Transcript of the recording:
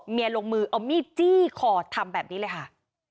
ลงมือเอามีดจี้คอทำแบบนี้เลยค่ะ